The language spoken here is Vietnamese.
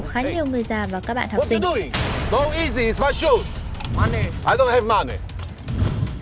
không không không